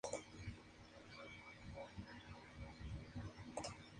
Está formada por dos cimas.